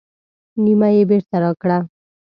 نیمه یې بېرته راکړه.